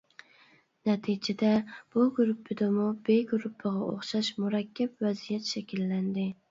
نەتىجىدە بۇ گۇرۇپپىدىمۇ ب گۇرۇپپىغا ئوخشاش مۇرەككەپ ۋەزىيەت شەكىللەندى.